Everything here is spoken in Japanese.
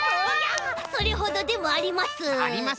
それほどでもあります。